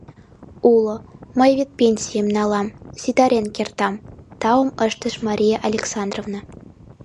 — Уло, мый вет пенсийым налам, ситарен кертам, — таум ыштыш Мария Александровна.